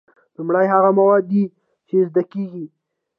لومړی هغه مواد دي چې زده کیږي.